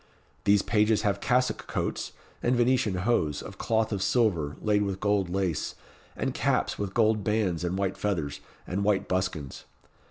These pages have cassock coats, and Venetian hose, of cloth of silver, laid with gold lace, and caps with gold bands and white feathers, and white buskins.